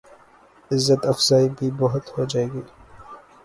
عزت افزائی بھی بہت ہو جائے گی۔